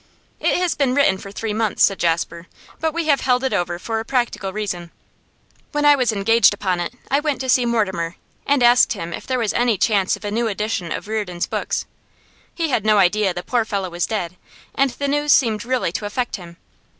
'It has been written for three months,' said Jasper, 'but we have held it over for a practical reason. When I was engaged upon it, I went to see Mortimer, and asked him if there was any chance of a new edition of Reardon's books. He had no idea the poor fellow was dead, and the news seemed really to affect him.